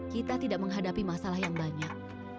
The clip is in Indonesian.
kita tidak menghadapi masalah yang banyak